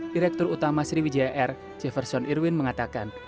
direktur utama sriwijaya air jefferson irwin mengatakan